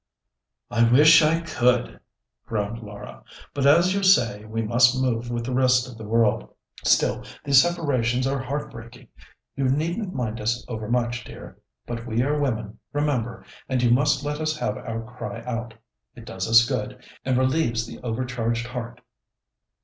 "I wish I could," groaned Laura; "but as you say, we must move with the rest of the world. Still these separations are heart breaking. You needn't mind us overmuch, dear; but we are women, remember, and you must let us have our cry out. It does us good, and relieves the overcharged heart."